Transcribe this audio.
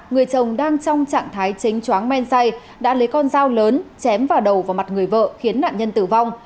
người chồng đang trong trạng thái chính chóng men say đã lấy con dao lớn chém vào đầu vào mặt người vợ khiến nạn nhân tử vong